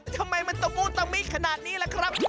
ทำไมมันต้องกูต้องมีขนาดนี้ล่ะครับ